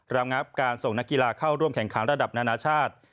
ระงับการส่งนักกีฬาเข้าร่วมแข่งขันระดับนานาชาติ